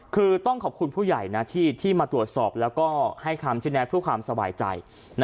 คือต้องขอบคุณผู้ใหญ่นะที่มาตรวจสอบแล้วก็ให้คำชี้แนะเพื่อความสบายใจ